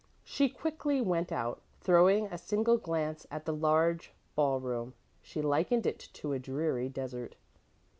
She quickly went out. Throwing a single glance at the large ball room, she likened it to a dreary desert.